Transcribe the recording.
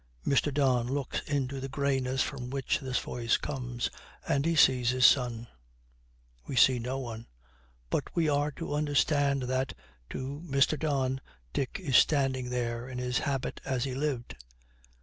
Mr. Don looks into the greyness from which this voice comes, and he sees his son. We see no one, but we are to understand that, to Mr. Don, Dick is standing there in his habit as he lived.